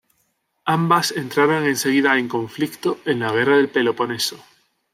Ambas entraron enseguida en conflicto en la Guerra del Peloponeso.